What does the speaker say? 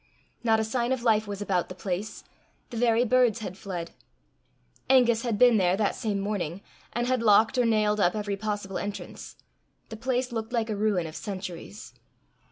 Not a sign of life was about the place; the very birds had fled. Angus had been there that same morning, and had locked or nailed up every possible entrance: the place looked like a ruin of centuries.